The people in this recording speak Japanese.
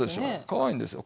かわいいんですよ。